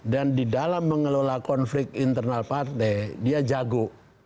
dan di dalam mengelola konflik internal partai dia jago